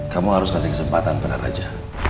kamu harus kasih kesempatan kepada raja